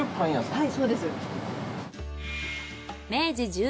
はいそうです。